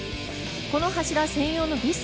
この柱専用のビス。